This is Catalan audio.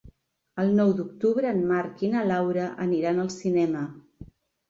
El nou d'octubre en Marc i na Laura aniran al cinema.